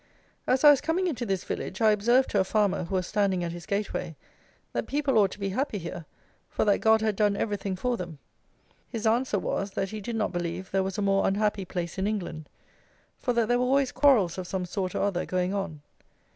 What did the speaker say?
As I was coming into this village, I observed to a farmer who was standing at his gateway, that people ought to be happy here, for that God had done everything for them. His answer was, that he did not believe there was a more unhappy place in England: for that there were always quarrels of some sort or other going on.